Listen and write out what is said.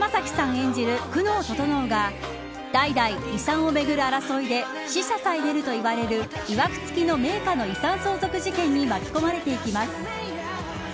演じる久能整が代々遺産をめぐる争いで死者さえ出るといわれるいわくつきの名家の遺産相続事件に巻き込まれていきます。